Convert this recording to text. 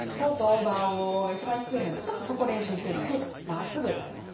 まっすぐ歌います。